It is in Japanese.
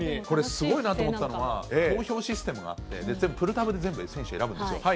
これすごいなと思ったのは、投票システムがあって、全部プルタブで選手選ぶんですよ。